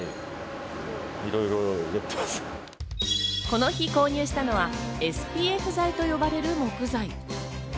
この日、購入したのはＳＰＦ材と呼ばれる木材。